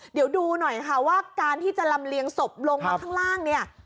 เดี๋ยวดูหน่อยค่ะว่าการที่จะลำเลียงศพลงมาข้างล่างเนี่ย